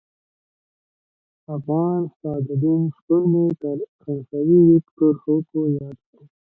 افغان سعدالدین شپون مې تر فرانسوي ویکتور هوګو ياد شو.